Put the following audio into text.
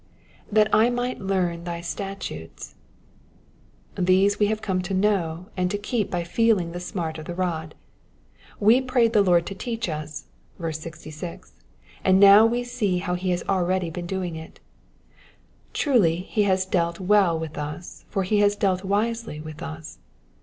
''''That I might learn thy statute^,'''' These we have come to know and to keep by feeling the smart of the rod. We prayed the Lord to teach us (66), ana now we see how he has already been doing it. Truly he has dealt well with us, for he has dealt wisely with us.